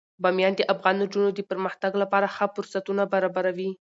بامیان د افغان نجونو د پرمختګ لپاره ښه فرصتونه برابروي.